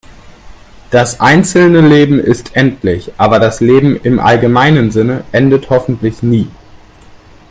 Das einzelne Leben ist endlich, aber das Leben im allgemeinen Sinne endet hoffentlich nie.